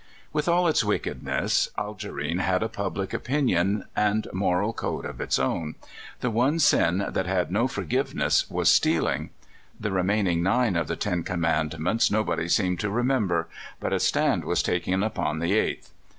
With all its wickedness, Algerine had a public opinion and moral code of its own. The one sin that had no forgiveness was stealing. The remain ing nine of the Ten Commandments nobody seemed to remember, but a stand was taken upon the eighth.